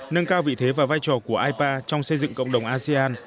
nâng cao vị thế và vai trò của ipa trong xây dựng cộng đồng asean